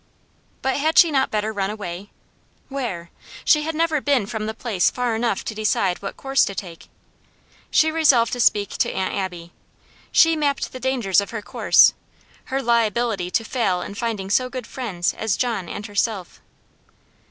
But had she not better run away? Where? She had never been from the place far enough to decide what course to take. She resolved to speak to Aunt Abby. SHE mapped the dangers of her course, her liability to fail in finding so good friends as John and herself.